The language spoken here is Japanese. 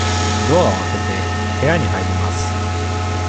ドアを開けて、部屋に入ります。